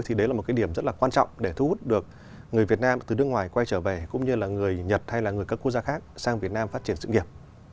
thì đấy là một cái điểm rất là quan trọng để thu hút được người việt nam từ nước ngoài quay trở về cũng như là người nhật hay là người các quốc gia khác sang việt nam phát triển sự nghiệp